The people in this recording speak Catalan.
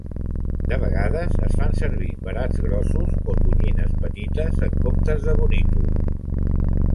De vegades es fan servir verats grossos o tonyines petites en comptes de bonítol.